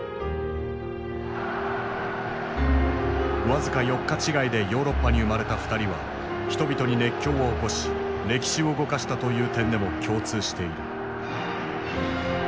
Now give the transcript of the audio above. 僅か４日違いでヨーロッパに生まれた二人は人々に熱狂を起こし歴史を動かしたという点でも共通している。